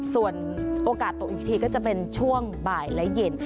ส่วนโอกาสตกอีกทีก็จะเป็นช่วงบ่ายและเย็น